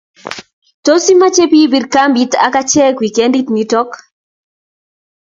tos imache pi pir kambit ak achek wikendit nitok